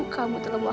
kamu ada apa